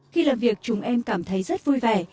khi làm việc chúng em cảm thấy rất vui vẻ